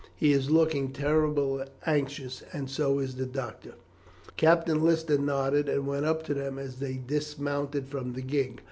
He is looking terribly anxious, and so is the doctor." Captain Lister nodded, and went up to them as they dismounted from the gig.